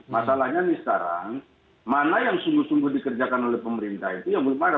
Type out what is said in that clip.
masalahnya nih sekarang mana yang sungguh sungguh dikerjakan oleh pemerintah itu ya belum ada